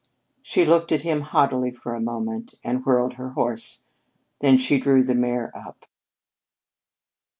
She looked at him haughtily for a moment and whirled her horse. Then she drew the mare up.